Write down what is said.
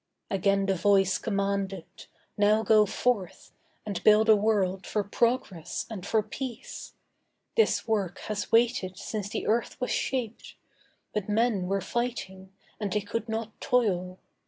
Again the Voice commanded: 'Now go forth And build a world for Progress and for Peace. This work has waited since the earth was shaped; But men were fighting, and they could not toil.